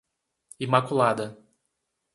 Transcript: Imaculada